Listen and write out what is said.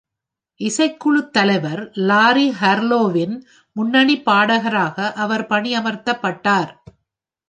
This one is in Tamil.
இசைக்குழுத் தலைவர் லாரி ஹார்லோவின் முன்னணிப் பாடகராக அவர் பணியமர்த்தப்பட்டார்.